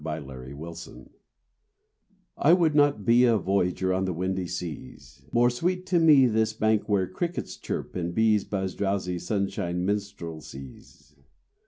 ANACREONTIC I would not be A voyager on the windy seas: More sweet to me This bank where crickets chirp, and bees Buzz drowsy sunshine minstrelsies.